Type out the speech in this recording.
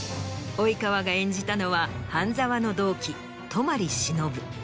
及川が演じたのは半沢の同期渡真利忍。